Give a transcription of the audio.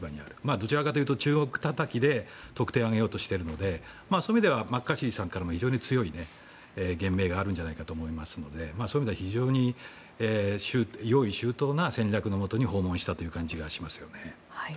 どちらかというと中国たたきで得点を挙げようとしてるのでそういう意味ではマッカーシーさんからの強い言明があるのではと思いますのでそういう意味では非常に用意周到な戦略のもとに訪問した感じがしますね。